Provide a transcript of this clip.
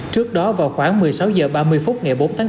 trước đó vào khoảng một mươi sáu h ba mươi phút ngày bốn tháng bốn